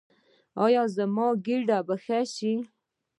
ایا زما ګیډه به ښه شي؟